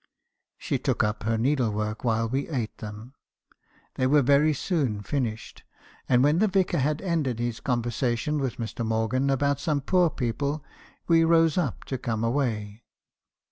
She took up her needle work while we ate theth : they were very soon finished, and when the vicar had ended his conversation with Mr. Morgan about some poor people , we rose up to come away.